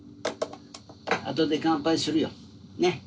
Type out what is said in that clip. あとで乾杯するよ。ね？